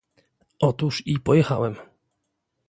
"Otóż i pojechałem..."